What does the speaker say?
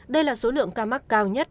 đây là số lượng ca mắc cao nhất